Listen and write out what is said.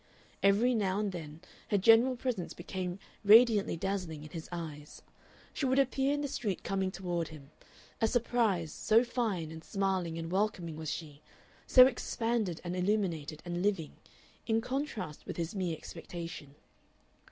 Every now and then her general presence became radiantly dazzling in his eyes; she would appear in the street coming toward him, a surprise, so fine and smiling and welcoming was she, so expanded and illuminated and living, in contrast with his mere expectation.